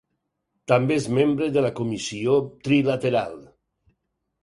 També és membre de la Comissió Trilateral.